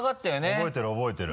覚えてる覚えてる。